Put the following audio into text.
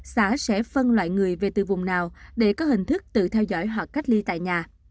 xã sẽ phân loại người về từ vùng nào để có hình thức tự theo dõi họ cách ly tại nhà